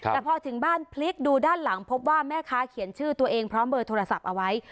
แต่พอถึงบ้านพลิกดูด้านหลังพบว่าแม่ค้าเขียนชื่อตัวเองพร้อมเบอร์โทรศัพท์เอาไว้